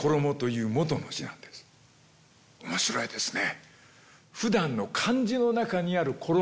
面白いですね。